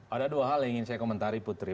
ada dua hal yang ingin saya komentari putri